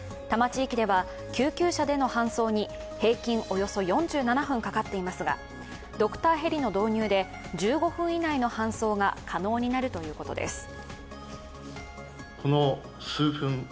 多摩地域では救急車での搬送に、平均およそ４７分かかっていますが、ドクターヘリの導入で１５分以内の搬送が可能になるということです。